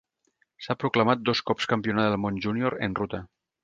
S'ha proclamat dos cops campiona del món júnior en ruta.